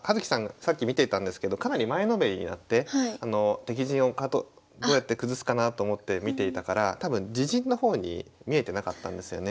さっき見ていたんですけどかなり前のめりになって敵陣をどうやって崩すかなと思って見ていたから多分自陣の方に見えてなかったんですよね。